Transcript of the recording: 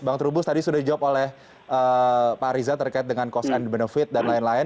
bang terubus tadi sudah dijawab oleh pak riza terkait dengan cost and benefit dan lain lain